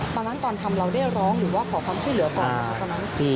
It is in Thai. ตอนนั้นตอนทำเราได้ร้องหรือว่าขอความช่วยเหลือก่อนไหมคะตอนนั้น